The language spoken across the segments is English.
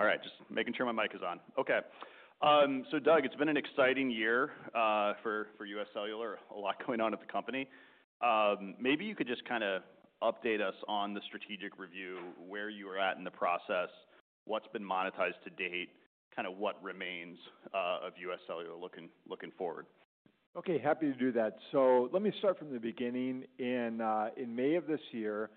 All right. Just making sure my mic is on. Okay, so Doug, it's been an exciting year for US Cellular. A lot going on at the company. Maybe you could just kind of update us on the strategic review, where you were at in the process, what's been monetized to date, kind of what remains of UScellular looking forward. Okay. Happy to do that. So let me start from the beginning. In May of this year,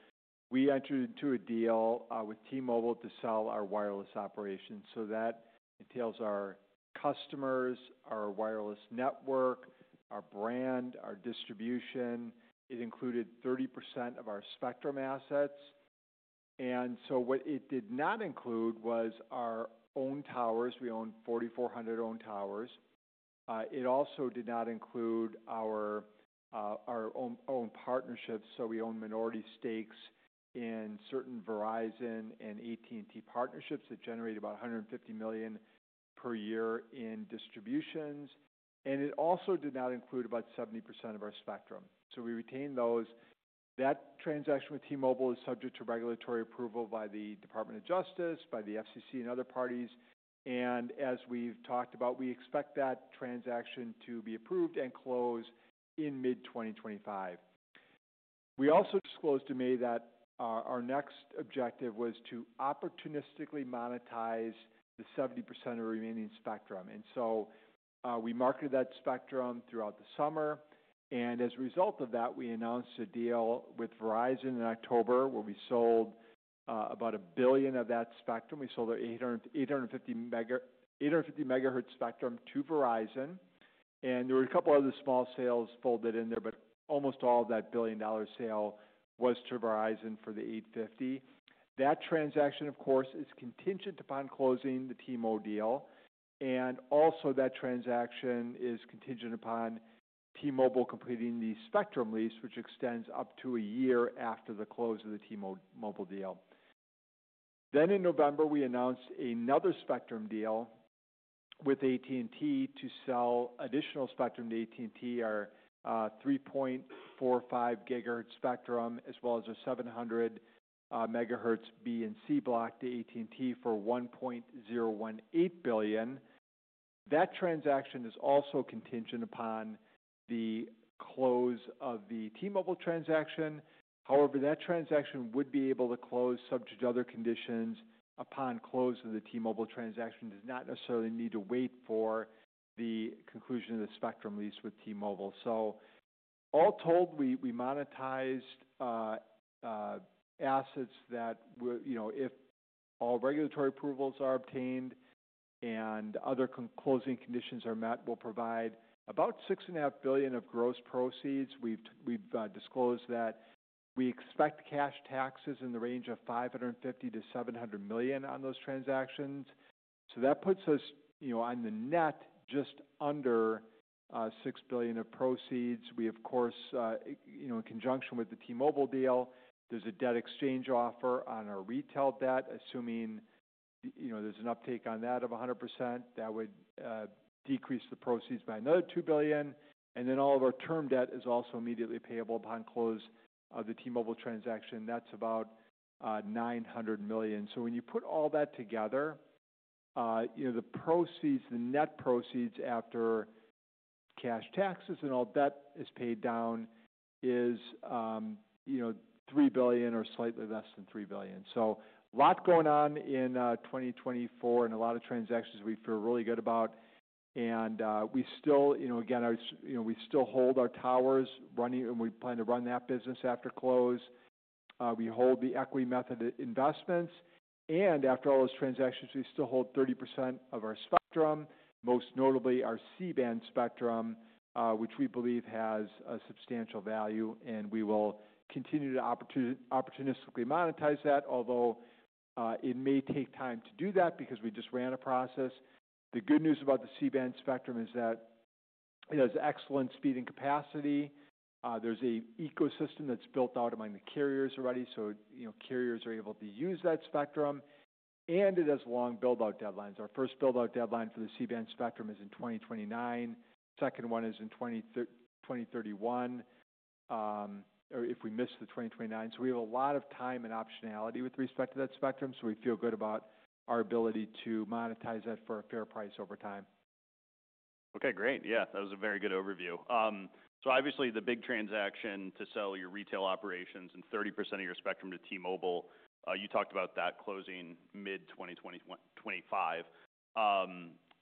we entered into a deal with T-Mobile to sell our wireless operations. So that entails our customers, our wireless network, our brand, our distribution. It included 30% of our spectrum assets. And so what it did not include was our own towers. We own 4,400 owned towers. It also did not include our own partnerships. So we own minority stakes in certain Verizon and AT&T partnerships that generate about $150 million per year in distributions. And it also did not include about 70% of our spectrum. So we retained those. That transaction with T-Mobile is subject to regulatory approval by the Department of Justice, by the FCC, and other parties. And as we've talked about, we expect that transaction to be approved and closed in mid-2025. We also disclosed in May that our next objective was to opportunistically monetize the 70% of remaining spectrum, and so we marketed that spectrum throughout the summer, and as a result of that we announced a deal with Verizon in October where we sold about $1 billion of that spectrum. We sold our 800, 850 MHz, 850 megahertz spectrum to Verizon. And there were a couple other small sales folded in there, but almost all of that $1 billion-dollar sale was to Verizon for the 850. That transaction, of course, is contingent upon closing the T-Mobile deal, and also that transaction is contingent upon T-Mobile completing the spectrum lease, which extends up to a year after the close of the T-Mobile deal. Then in November, we announced another spectrum deal with AT&T to sell additional spectrum to AT&T, our 3.45 gigahertz spectrum, as well as our 700 megahertz B and C Block to AT&T for $1.018 billion. That transaction is also contingent upon the close of the T-Mobile transaction. However, that transaction would be able to close subject to other conditions upon close of the T-Mobile transaction. It does not necessarily need to wait for the conclusion of the spectrum lease with T-Mobile. So all told, we monetized assets that were, you know, if all regulatory approvals are obtained and other closing conditions are met, we'll provide about $6.5 billion of gross proceeds. We've disclosed that. We expect cash taxes in the range of $550 million-$700 million on those transactions. So that puts us, you know, on the net just under $6 billion of proceeds. We, of course, you know, in conjunction with the T-Mobile deal, there's a debt exchange offer on our retail debt, assuming, you know, there's an uptake on that of 100%. That would decrease the proceeds by another $2 billion. And then all of our term debt is also immediately payable upon close of the T-Mobile transaction. That's about $900 million. So when you put all that together, you know, the proceeds, the net proceeds after cash taxes and all debt is paid down is, you know, $3 billion or slightly less than $3 billion. So a lot going on in 2024 and a lot of transactions we feel really good about. And we still, you know, again, you know, we still hold our towers running, and we plan to run that business after close. We hold the equity method investments. After all those transactions, we still hold 30% of our spectrum, most notably our C-Band spectrum, which we believe has a substantial value. We will continue to opportunistically monetize that, although it may take time to do that because we just ran a process. The good news about the C-Band spectrum is that it has excellent speed and capacity. There's an ecosystem that's built out among the carriers already. You know, carriers are able to use that spectrum. It has long buildout deadlines. Our first buildout deadline for the C-Band spectrum is in 2029. Second one is in 2030-2031, or if we miss the 2029. We have a lot of time and optionality with respect to that spectrum. We feel good about our ability to monetize that for a fair price over time. Okay. Great. Yeah. That was a very good overview, so obviously the big transaction to sell your retail operations and 30% of your spectrum to T-Mobile, you talked about that closing mid-2025.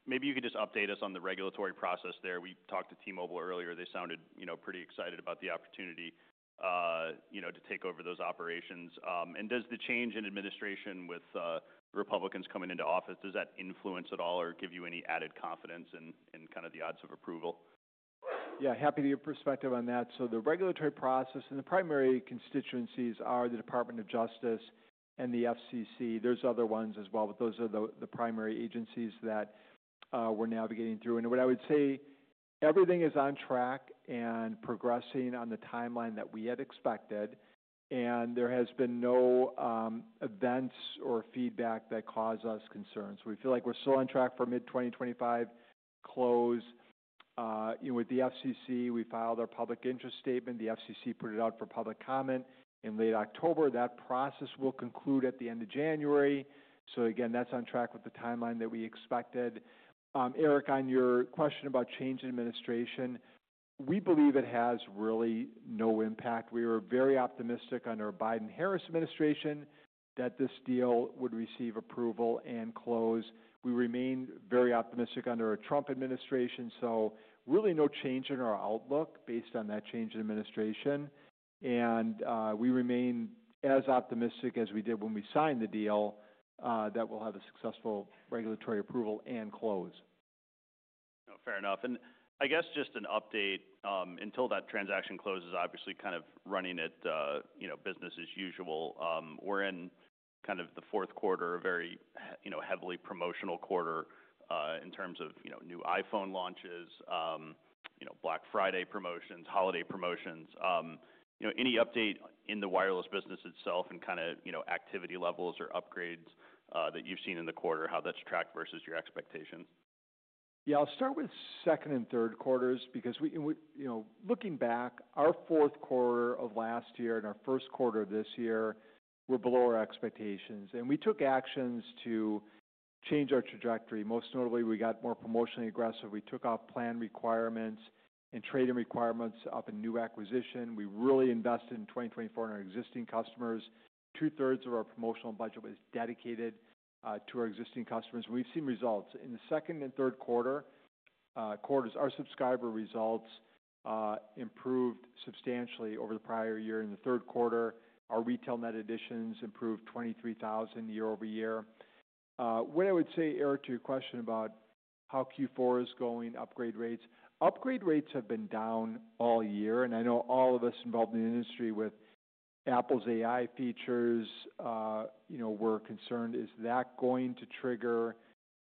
Maybe you could just update us on the regulatory process there. We talked to T-Mobile earlier. They sounded, you know, pretty excited about the opportunity, you know, to take over those operations, and does the change in administration with Republicans coming into office influence at all or give you any added confidence in kinda the odds of approval? Yeah. Happy to hear perspective on that. So the regulatory process and the primary constituencies are the Department of Justice and the FCC. There's other ones as well, but those are the primary agencies that we're navigating through. What I would say, everything is on track and progressing on the timeline that we had expected. There has been no events or feedback that cause us concerns. We feel like we're still on track for mid-2025 close. You know, with the FCC, we filed our public interest statement. The FCC put it out for public comment in late October. That process will conclude at the end of January. So again, that's on track with the timeline that we expected. Eric, on your question about change in administration, we believe it has really no impact. We were very optimistic under a Biden-Harris administration that this deal would receive approval and close. We remain very optimistic under a Trump administration. So really no change in our outlook based on that change in administration. And, we remain as optimistic as we did when we signed the deal, that we'll have a successful regulatory approval and close. Fair enough. And I guess just an update, until that transaction closes, obviously kind of running it, you know, business as usual. We're in kind of the fourth quarter, a very, you know, heavily promotional quarter, in terms of, you know, new iPhone launches, you know, Black Friday promotions, holiday promotions. You know, any update in the wireless business itself and kinda, you know, activity levels or upgrades, that you've seen in the quarter, how that's tracked versus your expectations? Yeah. I'll start with second and third quarters because we, you know, looking back, our fourth quarter of last year and our first quarter of this year, we're below our expectations. And we took actions to change our trajectory. Most notably, we got more promotionally aggressive. We took off plan requirements and trading requirements up in new acquisition. We really invested in 2024 and our existing customers. Two-thirds of our promotional budget was dedicated to our existing customers. And we've seen results. In the second and third quarter, our subscriber results improved substantially over the prior year. In the third quarter, our retail net additions improved 23,000 year-over-year. What I would say, Eric, to your question about how Q4 is going, upgrade rates have been down all year. I know all of us involved in the industry with Apple's AI features, you know, were concerned, is that going to trigger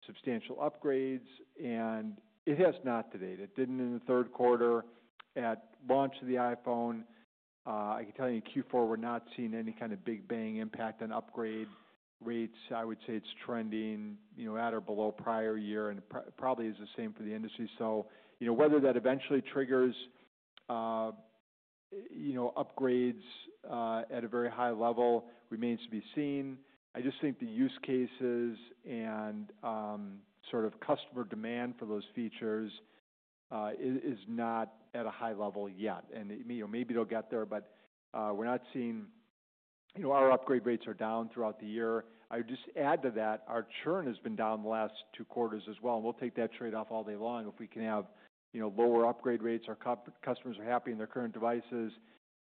substantial upgrades? It has not today. It didn't in the third quarter at launch of the iPhone. I can tell you in Q4, we're not seeing any kinda big bang impact on upgrade rates. I would say it's trending, you know, at or below prior year, and probably is the same for the industry. You know, whether that eventually triggers, you know, upgrades, at a very high level remains to be seen. I just think the use cases and, sort of customer demand for those features, is not at a high level yet. It, you know, maybe it'll get there, but, we're not seeing, you know, our upgrade rates are down throughout the year. I would just add to that, our churn has been down the last two quarters as well. And we'll take that trade-off all day long if we can have, you know, lower upgrade rates, our postpaid customers are happy in their current devices,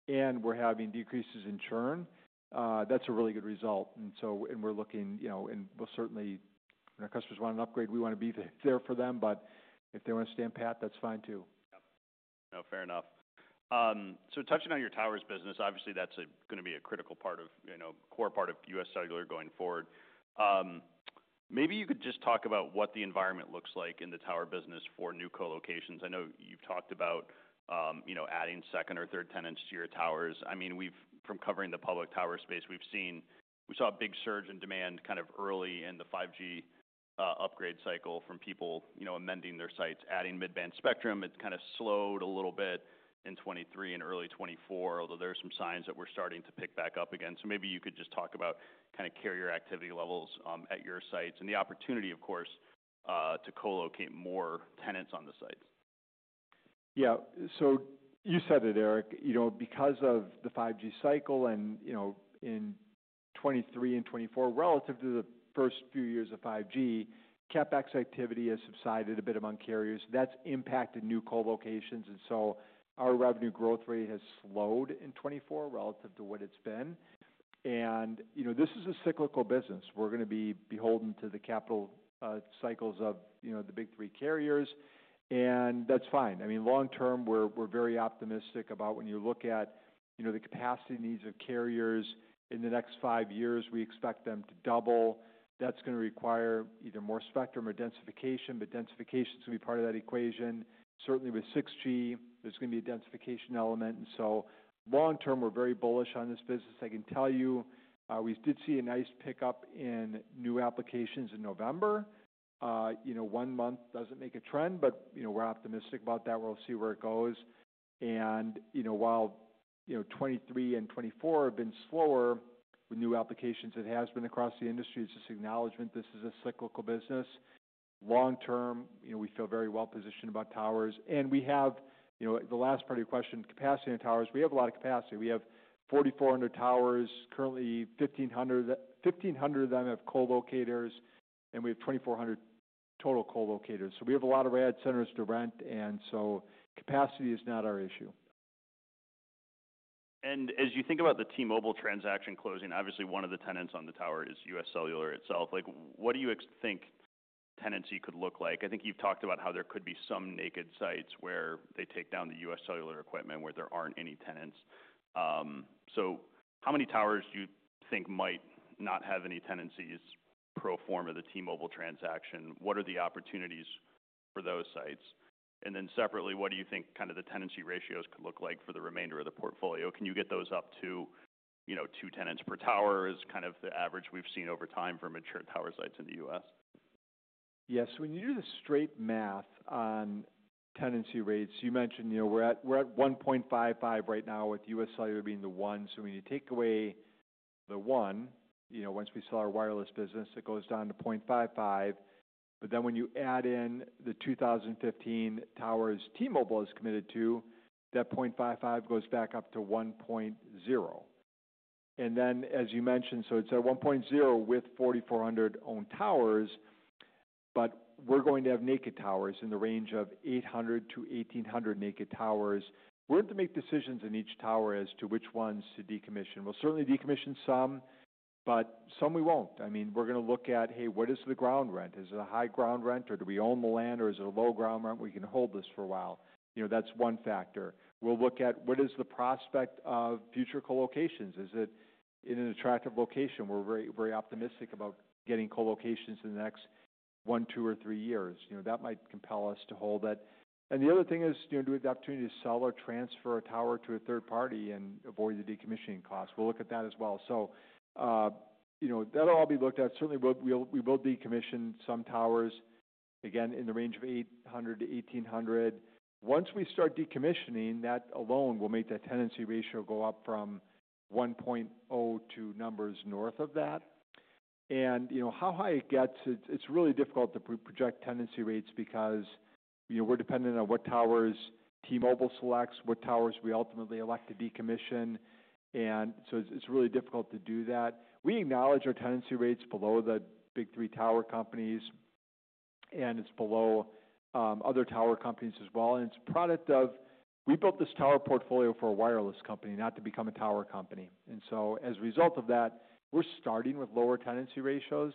and we're having decreases in churn. That's a really good result. And so, and we're looking, you know, and we'll certainly, when our customers want an upgrade, we wanna be there for them. But if they wanna stay on plan, that's fine too. Yep. No, fair enough. So touching on your towers business, obviously that's gonna be a critical part of, you know, core part of US Cellular going forward. Maybe you could just talk about what the environment looks like in the tower business for new colocations. I know you've talked about, you know, adding second or third tenants to your towers. I mean, we've, from covering the public tower space, we've seen, we saw a big surge in demand kind of early in the 5G upgrade cycle from people, you know, amending their sites, adding mid-band spectrum. It kinda slowed a little bit in 2023 and early 2024, although there are some signs that we're starting to pick back up again. So maybe you could just talk about kinda carrier activity levels at your sites and the opportunity, of course, to colocate more tenants on the sites. Yeah. So you said it, Eric. You know, because of the 5G cycle and, you know, in 2023 and 2024, relative to the first few years of 5G, CapEx activity has subsided a bit among carriers. That's impacted new colocations. And so our revenue growth rate has slowed in 2024 relative to what it's been. And, you know, this is a cyclical business. We're gonna be beholden to the capital cycles of, you know, the big three carriers. And that's fine. I mean, long term, we're very optimistic about when you look at, you know, the capacity needs of carriers in the next five years. We expect them to double. That's gonna require either more spectrum or densification, but densification's gonna be part of that equation. Certainly with 6G, there's gonna be a densification element. And so long term, we're very bullish on this business. I can tell you, we did see a nice pickup in new applications in November. You know, one month doesn't make a trend, but you know, we're optimistic about that. We'll see where it goes, and you know, while you know, 2023 and 2024 have been slower with new applications, it has been across the industry. It's just acknowledgment this is a cyclical business. Long term, you know, we feel very well positioned about towers, and we have you know, the last part of your question, capacity in towers, we have a lot of capacity. We have 4,400 towers, currently 1,500, 1,500 of them have colocators, and we have 2,400 total colocators. So we have a lot of rad centers to rent, and so capacity is not our issue. As you think about the T-Mobile transaction closing, obviously one of the tenants on the tower is US Cellular itself. Like, what do you think tenancy could look like? I think you've talked about how there could be some naked sites where they take down the US Cellular equipment where there aren't any tenants. So how many towers do you think might not have any tenancies pro forma of the T-Mobile transaction? What are the opportunities for those sites? And then separately, what do you think kinda the tenancy ratios could look like for the remainder of the portfolio? Can you get those up to, you know, two tenants per tower is kind of the average we've seen over time for mature tower sites in the U.S.? Yeah. So when you do the straight math on tenancy rates, you mentioned, you know, we're at 1.55 right now with US Cellular being the one. So when you take away the one, you know, once we sell our wireless business, it goes down to 0.55. But then when you add in the 2,015 towers T-Mobile is committed to, that 0.55 goes back up to 1.0. And then, as you mentioned, so it's at 1.0 with 4,400 owned towers, but we're going to have naked towers in the range of 800 to 1,800 naked towers. We're to make decisions in each tower as to which ones to decommission. We'll certainly decommission some, but some we won't. I mean, we're gonna look at, hey, what is the ground rent? Is it a high ground rent, or do we own the land, or is it a low ground rent? We can hold this for a while. You know, that's one factor. We'll look at what is the prospect of future colocations? Is it in an attractive location? We're very, very optimistic about getting colocations in the next one, two, or three years. You know, that might compel us to hold that. And the other thing is, you know, do we have the opportunity to sell or transfer a tower to a third party and avoid the decommissioning cost? We'll look at that as well. So, you know, that'll all be looked at. Certainly, we'll, we will decommission some towers again in the range of 800-1,800. Once we start decommissioning, that alone will make that tenancy ratio go up from 1.0 to numbers north of that. You know, how high it gets. It's really difficult to project tenancy rates because, you know, we're dependent on what towers T-Mobile selects, what towers we ultimately elect to decommission. So it's really difficult to do that. We acknowledge our tenancy rates below the big three tower companies, and it's below other tower companies as well. It's a product of we built this tower portfolio for a wireless company, not to become a tower company. So as a result of that, we're starting with lower tenancy ratios.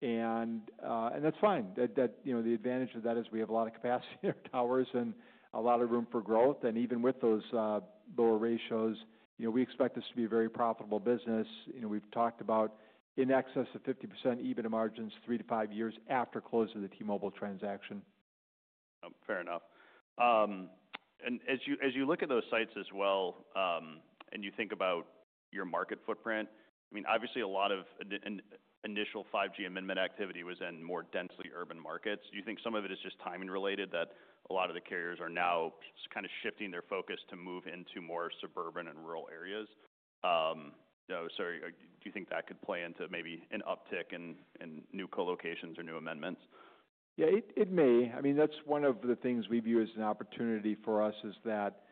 And that's fine. You know, the advantage of that is we have a lot of capacity in our towers and a lot of room for growth. Even with those lower ratios, you know, we expect this to be a very profitable business. You know, we've talked about in excess of 50% EBITDA margins three to five years after closing the T-Mobile transaction. Fair enough, and as you look at those sites as well, and you think about your market footprint, I mean, obviously a lot of in initial 5G amendment activity was in more densely urban markets. Do you think some of it is just timing related that a lot of the carriers are now kinda shifting their focus to move into more suburban and rural areas? You know, so do you think that could play into maybe an uptick in new colocations or new amendments? Yeah, it may. I mean, that's one of the things we view as an opportunity for us is that,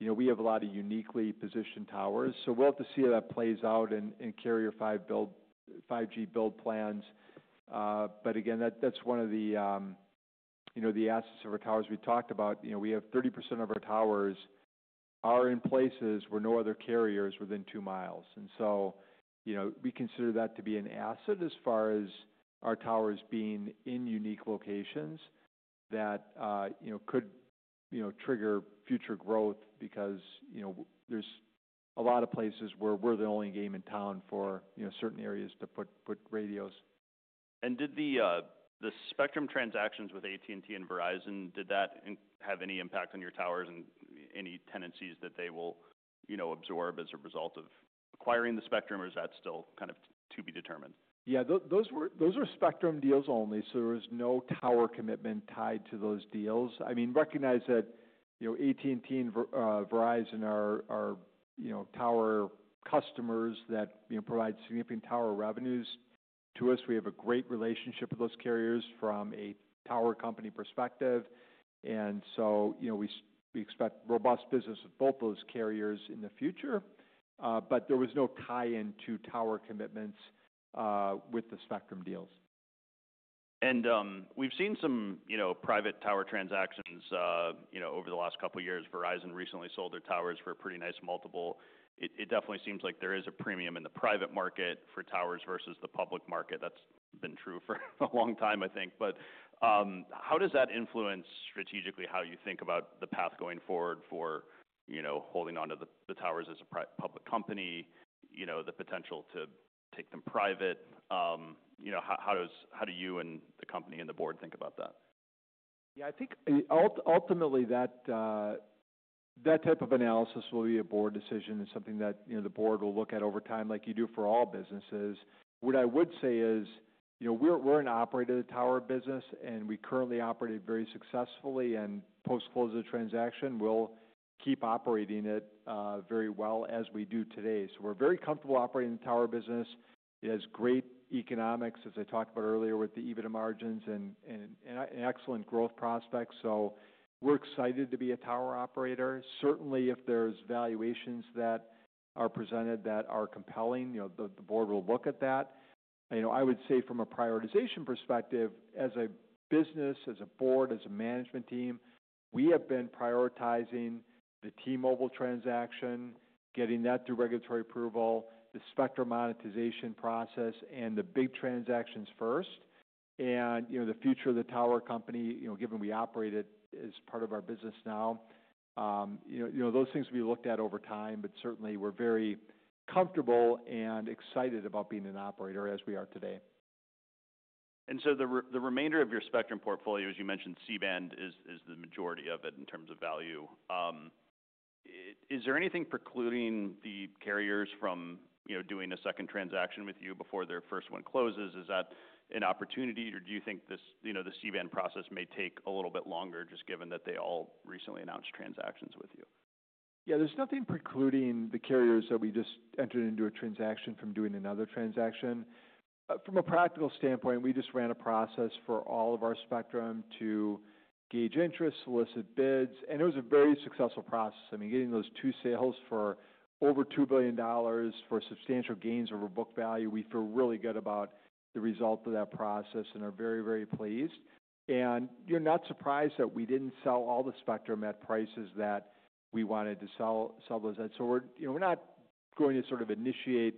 you know, we have a lot of uniquely positioned towers. So we'll have to see how that plays out in carrier 5G build plans. But again, that's one of the, you know, the assets of our towers we talked about. You know, we have 30% of our towers are in places where no other carriers within two miles. And so, you know, we consider that to be an asset as far as our towers being in unique locations that, you know, could, you know, trigger future growth because, you know, there's a lot of places where we're the only game in town for, you know, certain areas to put radios. Did the spectrum transactions with AT&T and Verizon have any impact on your towers and any tenancies that they will, you know, absorb as a result of acquiring the spectrum, or is that still kind of to be determined? Yeah, those were spectrum deals only. So there was no tower commitment tied to those deals. I mean, recognize that, you know, AT&T and Verizon are tower customers that, you know, provide significant tower revenues to us. We have a great relationship with those carriers from a tower company perspective. And so, you know, we expect robust business with both those carriers in the future. But there was no tie-in to tower commitments with the spectrum deals. We've seen some, you know, private tower transactions, you know, over the last couple of years. Verizon recently sold their towers for a pretty nice multiple. It definitely seems like there is a premium in the private market for towers versus the public market. That's been true for a long time, I think. How does that influence strategically how you think about the path going forward for, you know, holding onto the towers as a public company, you know, the potential to take them private? You know, how does how do you and the company and the board think about that? Yeah, I think ultimately that type of analysis will be a board decision. It's something that, you know, the board will look at over time like you do for all businesses. What I would say is, you know, we're an operator of the tower business, and we currently operate it very successfully. And post-closure transaction, we'll keep operating it very well as we do today. So we're very comfortable operating the tower business. It has great economics, as I talked about earlier with the EBITDA margins and excellent growth prospects. So we're excited to be a tower operator. Certainly, if there's valuations that are presented that are compelling, you know, the board will look at that. You know, I would say from a prioritization perspective, as a business, as a board, as a management team, we have been prioritizing the T-Mobile transaction, getting that through regulatory approval, the spectrum monetization process, and the big transactions first. And, you know, the future of the tower company, you know, given we operate it as part of our business now, you know, you know, those things will be looked at over time, but certainly we're very comfortable and excited about being an operator as we are today. And so the remainder of your spectrum portfolio, as you mentioned, C-band is the majority of it in terms of value. Is there anything precluding the carriers from, you know, doing a second transaction with you before their first one closes? Is that an opportunity, or do you think this, you know, the C-band process may take a little bit longer just given that they all recently announced transactions with you? Yeah, there's nothing precluding the carriers that we just entered into a transaction from doing another transaction. From a practical standpoint, we just ran a process for all of our spectrum to gauge interest, solicit bids. And it was a very successful process. I mean, getting those two sales for over $2 billion for substantial gains over book value, we feel really good about the result of that process and are very, very pleased. And, you know, not surprised that we didn't sell all the spectrum at prices that we wanted to sell those at. So we're, you know, we're not going to sort of initiate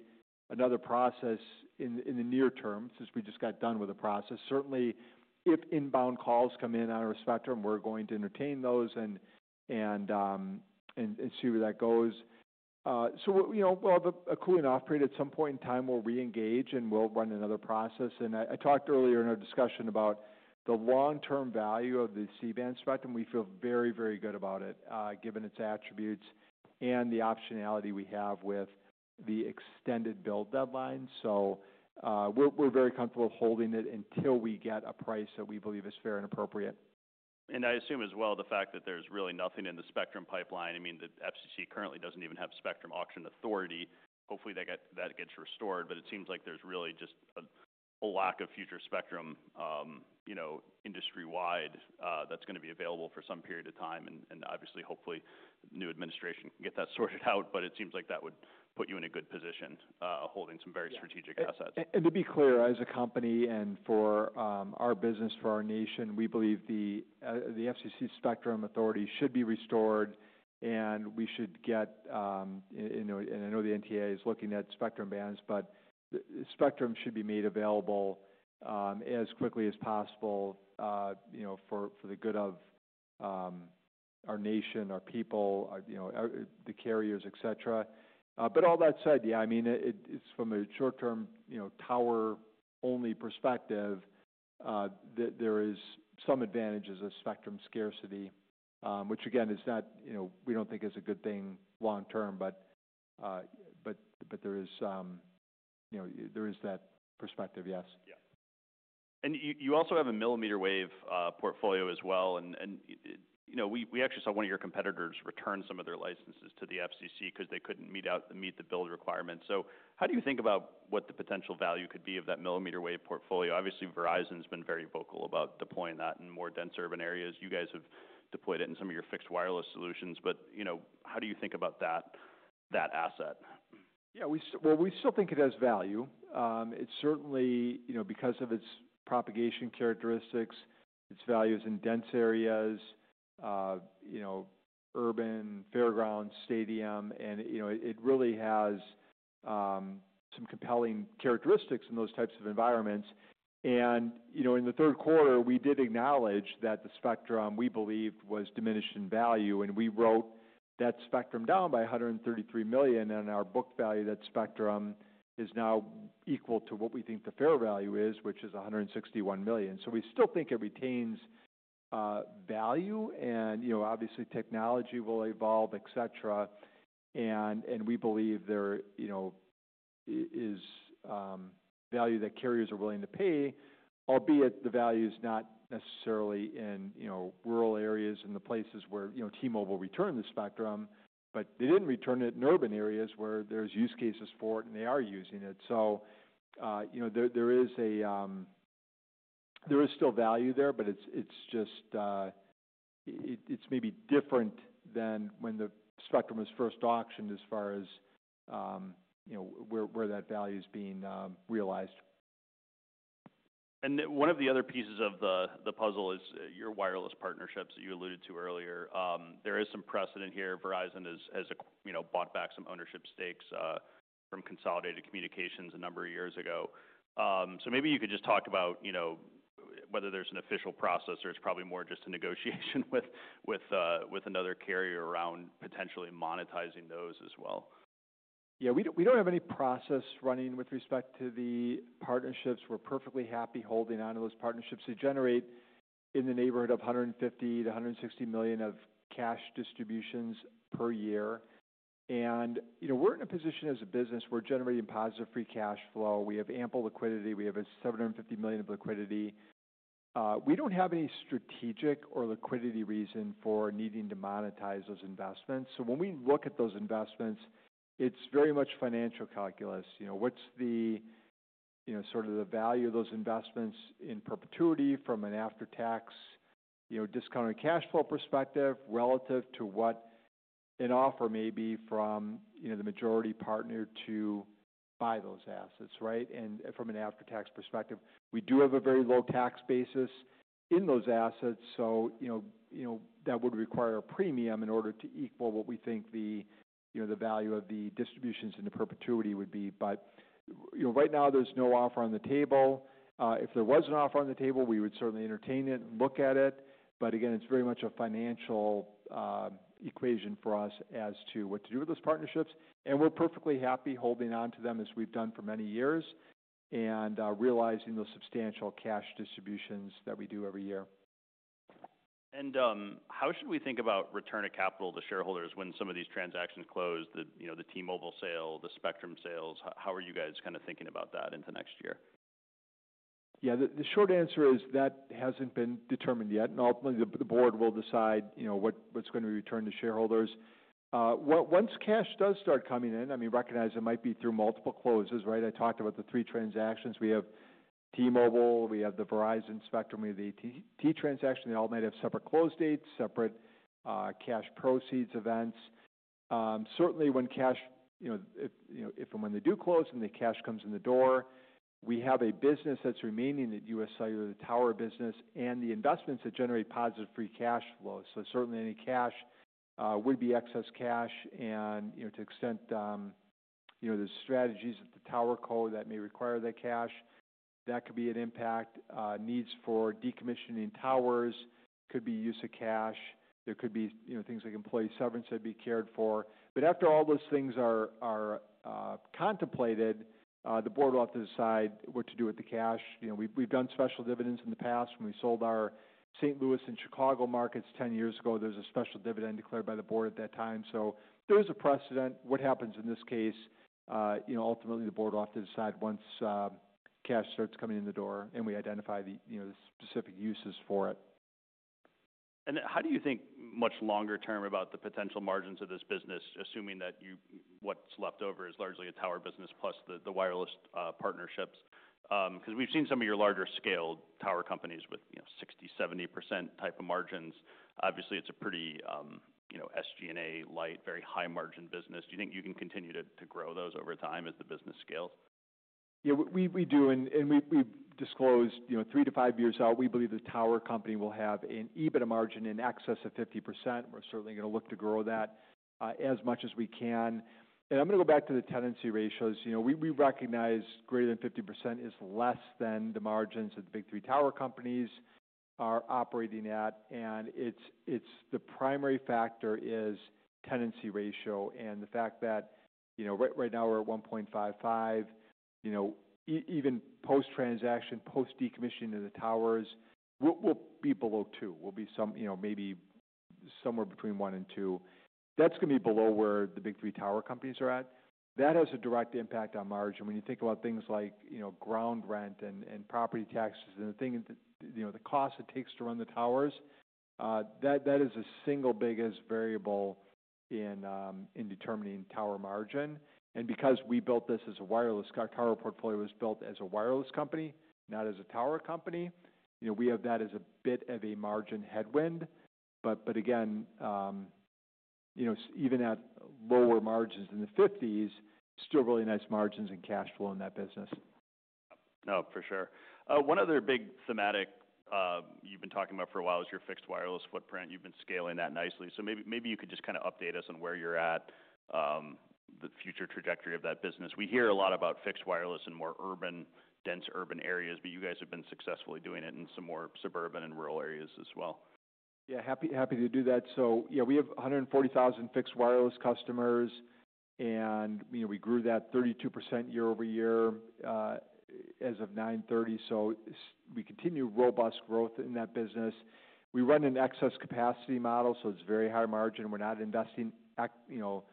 another process in the near term since we just got done with the process. Certainly, if inbound calls come in on our spectrum, we're going to entertain those and see where that goes. So we'll, you know, we'll have a cooling-off period. At some point in time, we'll reengage and we'll run another process. And I talked earlier in our discussion about the long-term value of the C-Band spectrum. We feel very, very good about it, given its attributes and the optionality we have with the extended build deadline. So, we're very comfortable holding it until we get a price that we believe is fair and appropriate. And I assume as well the fact that there's really nothing in the spectrum pipeline. I mean, the FCC currently doesn't even have spectrum auction authority. Hopefully that gets restored, but it seems like there's really just a lack of future spectrum, you know, industry-wide, that's gonna be available for some period of time. And obviously, hopefully new administration can get that sorted out, but it seems like that would put you in a good position, holding some very strategic assets. And to be clear, as a company and for our business, for our nation, we believe the FCC spectrum authority should be restored and we should get, you know, and I know the NTIA is looking at spectrum bands, but the spectrum should be made available, as quickly as possible, you know, for the good of our nation, our people, you know, the carriers, et cetera. But all that said, yeah, I mean, it's from a short-term, you know, tower-only perspective, that there is some advantages of spectrum scarcity, which again, is that, you know, we don't think is a good thing long-term, but there is, you know, there is that perspective, yes. Yeah. And you also have a millimeter wave portfolio as well. And, you know, we actually saw one of your competitors return some of their licenses to the FCC 'cause they couldn't meet the build requirements. So how do you think about what the potential value could be of that millimeter wave portfolio? Obviously, Verizon's been very vocal about deploying that in more dense urban areas. You guys have deployed it in some of your fixed wireless solutions, but, you know, how do you think about that asset? Yeah, well, we still think it has value. It certainly, you know, because of its propagation characteristics, its value in dense areas, you know, urban, fairgrounds, stadium, and, you know, it really has some compelling characteristics in those types of environments. You know, in the third quarter, we did acknowledge that the spectrum we believed was diminished in value, and we wrote that spectrum down by $133 million. Our book value of that spectrum is now equal to what we think the fair value is, which is $161 million. So we still think it retains value. You know, obviously technology will evolve, et cetera. We believe there is value that carriers are willing to pay, albeit the value is not necessarily in, you know, rural areas and the places where, you know, T-Mobile returned the spectrum, but they didn't return it in urban areas where there's use cases for it and they are using it. You know, there is still value there, but it's just, it's maybe different than when the spectrum was first auctioned as far as, you know, where that value's being realized. And one of the other pieces of the puzzle is your wireless partnerships that you alluded to earlier. There is some precedent here. Verizon has, you know, bought back some ownership stakes from Consolidated Communications a number of years ago. So maybe you could just talk about, you know, whether there's an official process or it's probably more just a negotiation with another carrier around potentially monetizing those as well. Yeah, we don't have any process running with respect to the partnerships. We're perfectly happy holding onto those partnerships. They generate in the neighborhood of $150-160 million of cash distributions per year, and you know, we're in a position as a business. We're generating positive free cash flow. We have ample liquidity. We have $750 million of liquidity. We don't have any strategic or liquidity reason for needing to monetize those investments, so when we look at those investments, it's very much financial calculus. You know, what's the, you know, sort of the value of those investments in perpetuity from an after-tax, you know, discounted cash flow perspective relative to what an offer may be from, you know, the majority partner to buy those assets, right? And from an after-tax perspective, we do have a very low tax basis in those assets. You know, that would require a premium in order to equal what we think the value of the distributions into perpetuity would be, but you know, right now there's no offer on the table. If there was an offer on the table, we would certainly entertain it and look at it, but again, it's very much a financial equation for us as to what to do with those partnerships, and we're perfectly happy holding onto them as we've done for many years and realizing the substantial cash distributions that we do every year. How should we think about return of capital to shareholders when some of these transactions close, the, you know, the T-Mobile sale, the spectrum sales? How are you guys kind of thinking about that into next year? Yeah, the short answer is that hasn't been determined yet. And ultimately, the board will decide, you know, what's gonna be returned to shareholders. Once cash does start coming in, I mean, recognize it might be through multiple closes, right? I talked about the three transactions. We have T-Mobile, we have the Verizon spectrum, we have the AT&T transaction. They all might have separate close dates, separate cash proceeds events. Certainly when cash, you know, if and when they do close and the cash comes in the door, we have a business that's remaining at USC, the tower business and the investments that generate positive free cash flow. So certainly any cash would be excess cash. And, you know, to the extent, you know, there's strategies at the TowerCo that may require that cash. That could be an impact. Needs for decommissioning towers could be use of cash. There could be, you know, things like employee severance that'd be cared for. But after all those things are contemplated, the board will have to decide what to do with the cash. You know, we've done special dividends in the past when we sold our St. Louis and Chicago markets 10 years ago. There's a special dividend declared by the board at that time. So there is a precedent. What happens in this case, you know, ultimately the board will have to decide once cash starts coming in the door and we identify the, you know, the specific uses for it. How do you think much longer term about the potential margins of this business, assuming that what's left over is largely a tower business plus the wireless partnerships? 'Cause we've seen some of your larger scale tower companies with, you know, 60%-70% type of margins. Obviously, it's a pretty, you know, SG&A light, very high margin business. Do you think you can continue to grow those over time as the business scales? Yeah, we do. And we've disclosed, you know, three to five years out, we believe the tower company will have an EBITDA margin in excess of 50%. We're certainly gonna look to grow that, as much as we can. And I'm gonna go back to the tenancy ratios. You know, we recognize greater than 50% is less than the margins that the big three tower companies are operating at. And it's the primary factor is tenancy ratio and the fact that, you know, right now we're at 1.55, you know, even post-transaction, post-decommissioning of the towers, we'll be below two. We'll be, you know, maybe somewhere between one and two. That's gonna be below where the big three tower companies are at. That has a direct impact on margin. When you think about things like, you know, ground rent and property taxes and the thing that, you know, the cost it takes to run the towers, that is the single biggest variable in determining tower margin. And because we built this as a wireless, our tower portfolio was built as a wireless company, not as a tower company, you know, we have that as a bit of a margin headwind. But again, you know, even at lower margins in the 50s%, still really nice margins and cash flow in that business. No, for sure. One other big thematic, you've been talking about for a while is your fixed wireless footprint. You've been scaling that nicely. So maybe, maybe you could just kind of update us on where you're at, the future trajectory of that business. We hear a lot about fixed wireless in more urban, dense urban areas, but you guys have been successfully doing it in some more suburban and rural areas as well. Yeah, happy to do that. So, yeah, we have 140,000 fixed wireless customers and, you know, we grew that 32% yea-over-year, as of 9/30. So we continue robust growth in that business. We run an excess capacity model, so it's very high margin. We're not investing CapEx, you know,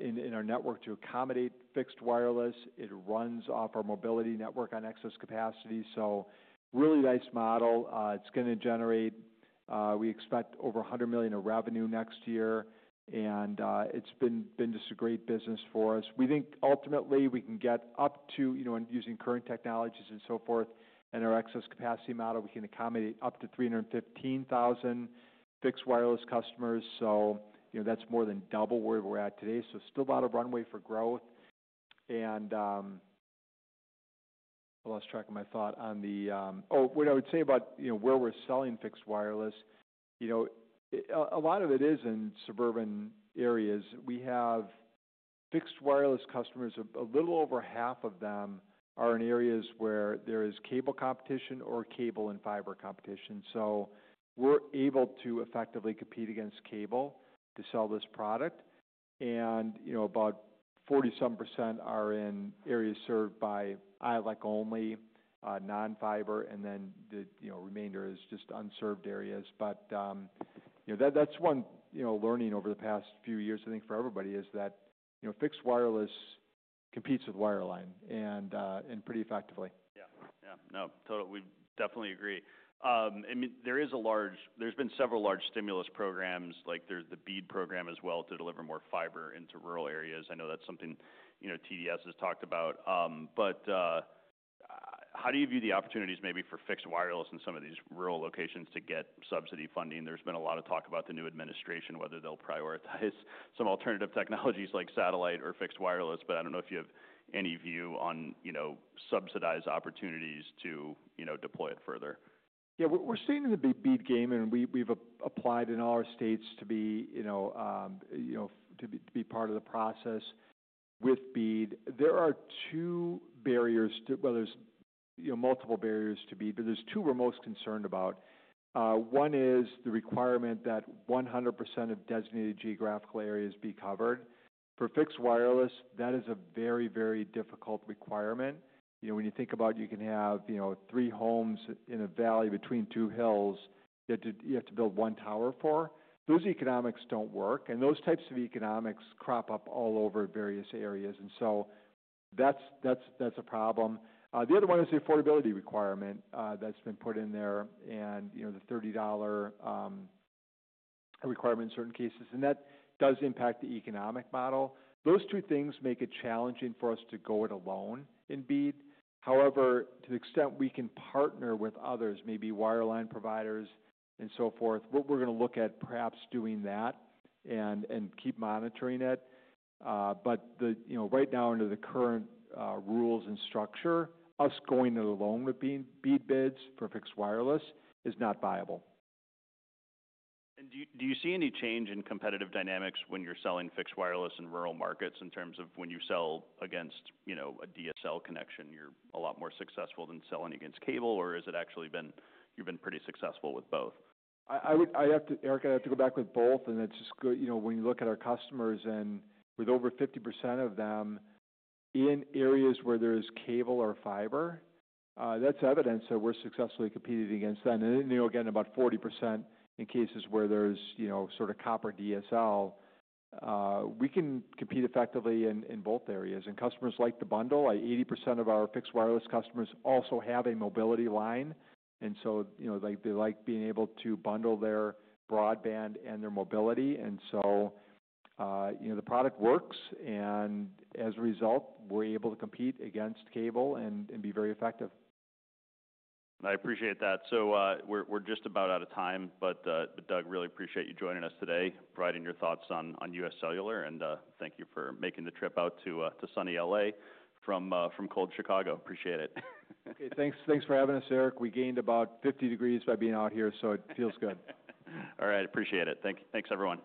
in our network to accommodate fixed wireless. It runs off our mobility network on excess capacity. So really nice model. It's gonna generate, we expect over $100 million of revenue next year. And, it's been just a great business for us. We think ultimately we can get up to, you know, and using current technologies and so forth and our excess capacity model, we can accommodate up to 315,000 fixed wireless customers. So, you know, that's more than double where we're at today. So still a lot of runway for growth. I lost track of my thought on, oh, what I would say about, you know, where we're selling fixed wireless, you know. A lot of it is in suburban areas. We have fixed wireless customers. A little over half of them are in areas where there is cable competition or cable and fiber competition. So we're able to effectively compete against cable to sell this product. And, you know, about 40-some% are in areas served by ILEC only, non-fiber, and then, you know, the remainder is just unserved areas. But, you know, that that's one, you know, learning over the past few years, I think, for everybody is that, you know, fixed wireless competes with wireline and pretty effectively. Yeah. Yeah. No, totally. We definitely agree. I mean, there is a large, there's been several large stimulus programs, like there's the BEAD program as well to deliver more fiber into rural areas. I know that's something, you know, TDS has talked about. But, how do you view the opportunities maybe for fixed wireless in some of these rural locations to get subsidy funding? There's been a lot of talk about the new administration, whether they'll prioritize some alternative technologies like satellite or fixed wireless, but I don't know if you have any view on, you know, subsidized opportunities to, you know, deploy it further. Yeah, we're staying in the BEAD game, and we've applied in all our states to be, you know, to be part of the process with BEAD. There are two barriers to BEAD. Well, there's, you know, multiple barriers to BEAD, but there are two we're most concerned about. One is the requirement that 100% of designated geographical areas be covered. For fixed wireless, that is a very, very difficult requirement. You know, when you think about, you can have, you know, three homes in a valley between two hills that you have to build one tower for. Those economics don't work. And those types of economics crop up all over various areas. And so that's a problem. The other one is the affordability requirement that's been put in there and, you know, the $30 requirement in certain cases. And that does impact the economic model. Those two things make it challenging for us to go it alone in BEAD. However, to the extent we can partner with others, maybe wireline providers and so forth, we're gonna look at perhaps doing that and keep monitoring it. But you know, right now under the current rules and structure, us going it alone with BEAD bids for fixed wireless is not viable. Do you, do you see any change in competitive dynamics when you're selling fixed wireless in rural markets in terms of when you sell against, you know, a DSL connection, you're a lot more successful than selling against cable, or has it actually been, you've been pretty successful with both? Eric, I have to go back with both, and it's just good, you know, when you look at our customers and with over 50% of them in areas where there is cable or fiber. That's evidence that we're successfully competing against them. Then, you know, again, about 40% in cases where there's, you know, sort of copper DSL, we can compete effectively in both areas. And customers like to bundle. Like 80% of our fixed wireless customers also have a mobility line. And so, you know, like, they like being able to bundle their broadband and their mobility. And so, you know, the product works, and as a result, we're able to compete against cable and be very effective. I appreciate that. So, we're just about out of time, but Doug, really appreciate you joining us today, providing your thoughts on USC and, thank you for making the trip out to sunny LA from cold Chicago. Appreciate it. Okay. Thanks. Thanks for having us, Eric. We gained about 50 degrees Fahrenheit by being out here, so it feels good. All right. Appreciate it. Thanks, everyone.